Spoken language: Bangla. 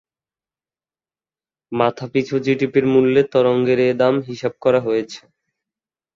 মাথাপিছু জিডিপির মূল্যে তরঙ্গের এ দাম হিসাব করা হয়েছে।